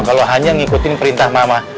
kalau hanya ngikutin perintah mama